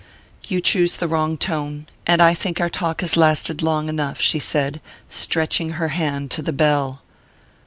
"You choose the wrong tone and I think our talk has lasted long enough," she said, stretching her hand to the bell.